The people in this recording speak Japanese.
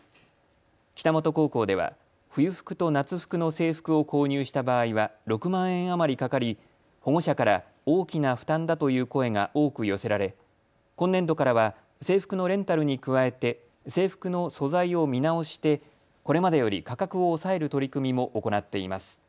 北本高校では冬服と夏服の制服を購入した場合は６万円余りかかり保護者から大きな負担だという声が多く寄せられ今年度からは制服のレンタルに加えて制服の素材を見直してこれまでより価格を抑える取り組みも行っています。